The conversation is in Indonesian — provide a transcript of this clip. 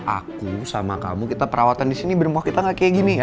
aku sama kamu kita perawatan disini bermohon kita gak kayak gini ya